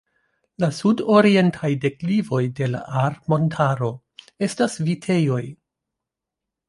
La sudorientaj deklivoj de la Ahr-montaro estas vitejoj.